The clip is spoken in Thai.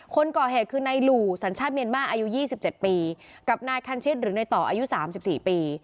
คนก่อเหตุคือนายหลู่สัญชาติเมียนมาร์อายุ๒๗ปีกับนายคันชิตหรือในต่ออายุ๓๔ปี